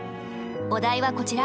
お題はこちら。